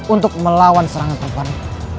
untuk melawan serangan pemerintah